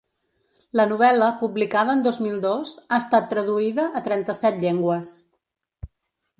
La novel·la, publicada en dos mil dos, ha estat traduïda a trenta-set llengües.